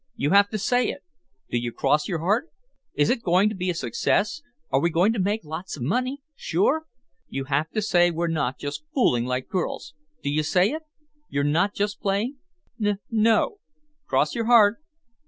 "You have to say it. Do you cross your heart? Is it going to be a success? Are we going to make lots of money—sure? You have to say we're not just fooling like girls. Do you say it? You're not just playing?" "N—no." "Cross your heart."